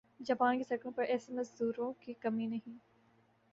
Japan کی سڑکوں پر ایسے مزدوروں کی کمی نہیں